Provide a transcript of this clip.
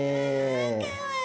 あかわいい。